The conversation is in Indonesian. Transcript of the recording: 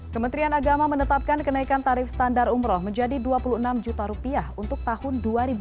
kementerian agama menetapkan kenaikan tarif standar umroh menjadi rp dua puluh enam juta rupiah untuk tahun dua ribu dua puluh